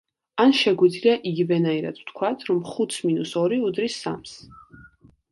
ან შეგვიძლია იგივე ნაირად ვთქვათ, რომ ხუთს მინუს ორი უდრის სამს.